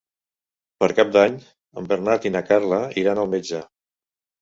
Per Cap d'Any en Bernat i na Carla iran al metge.